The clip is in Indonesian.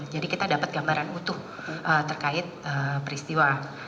jadi kita dapat gambaran utuh terkait peristiwa